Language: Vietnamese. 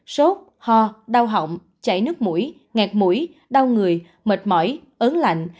sốt ho đau họng chảy nước mũi ngạt mũi đau người mệt mỏi ớn lạnh